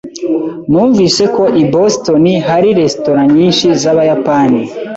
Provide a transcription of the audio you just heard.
Numvise ko i Boston hari resitora nyinshi z'Abayapani.